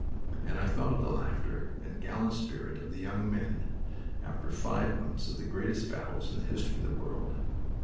And I thought of the laughter and gallant spirit of the young men, after five months of the greatest battles in the history of the world.